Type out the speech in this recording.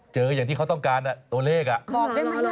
เจออย่างที่เขาต้องการอ่ะตัวเลขอ่ะ